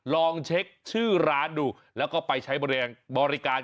ลองเช็คชื่อร้านดูแล้วก็ไปใช้บริการ